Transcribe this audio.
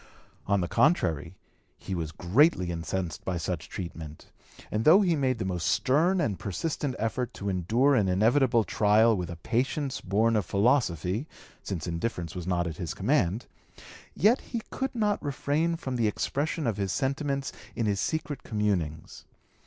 On the contrary he was greatly incensed by such treatment, and though he made the most stern and persistent effort to endure an inevitable trial with a patience born of philosophy, since indifference was not at his command, yet he could not refrain from the expression of his sentiments in his secret communings.